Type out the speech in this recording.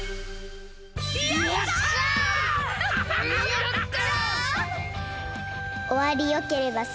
やった！